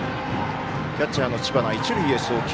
キャッチャーの知花、一塁へ送球。